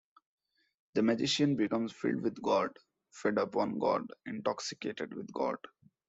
The magician becomes filled with God, fed upon God, intoxicated with God.